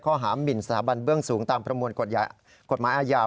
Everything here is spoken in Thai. หมินสถาบันเบื้องสูงตามประมวลกฎหมายอาญา